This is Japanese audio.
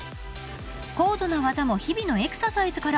［高度な技も日々のエクササイズから］